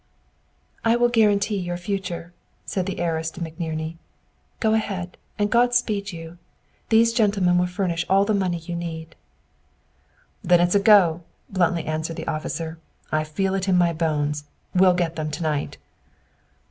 "I will guarantee your future," said the heiress to McNerney. "Go ahead, and God speed you. These gentlemen will furnish all the money you need." "Then it's a go!" bluntly answered the officer. "I feel it in my bones we'll get them to night."